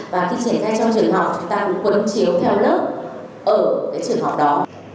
và khi triển khai cho trường học chúng ta cũng quấn chiếu theo lớp ở trường học đó